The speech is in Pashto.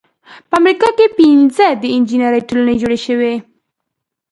په امریکا کې پنځه د انجینری ټولنې جوړې شوې.